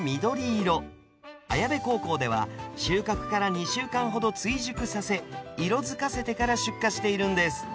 綾部高校では収穫から２週間ほど追熟させ色づかせてから出荷しているんです。